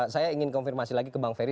saya ingin konfirmasi lagi ke bang ferry